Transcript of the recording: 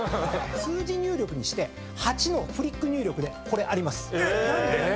数字入力にして８のフリック入力でこれあります。